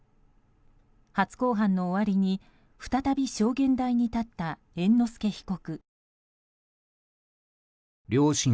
初公判の終わりに再び証言台に立った猿之助被告。